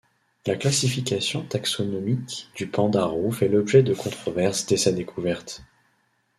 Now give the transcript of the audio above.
La classification taxonomique du panda roux fait l'objet de controverses dès sa découverte.